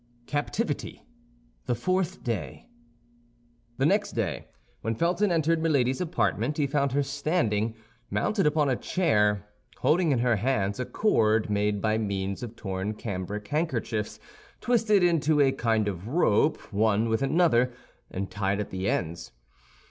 CAPTIVITY: THE FOURTH DAY The next day, when Felton entered Milady's apartment he found her standing, mounted upon a chair, holding in her hands a cord made by means of torn cambric handkerchiefs, twisted into a kind of rope one with another, and tied at the ends.